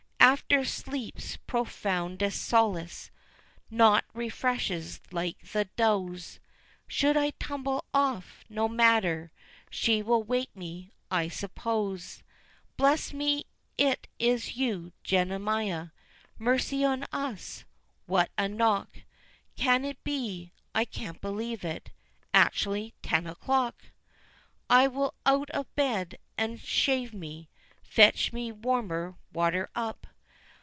After Sleep's profoundest solace, nought refreshes like the doze. Should I tumble off, no matter; she will wake me, I suppose. Bless me, is it you, Jemima? Mercy on us, what a knock? Can it be I can't believe it actually ten o'clock? I will out of bed and shave me. Fetch me warmer water up!